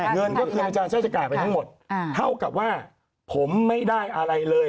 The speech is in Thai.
เงินก็คืออาจารย์เชิดจะจ่ายไปทั้งหมดเท่ากับว่าผมไม่ได้อะไรเลย